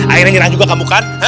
akhirnya nyerah juga kamu kan